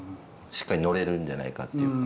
しっかり乗れるんじゃないかなって。